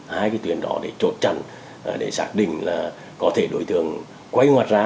hai cái tuyến đó để trột trần để xác định là có thể đối tượng quay ngoặt ra